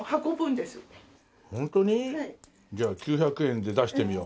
じゃあ９００円で出してみよう。